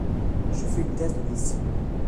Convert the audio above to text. Je fais une thèse de médecine.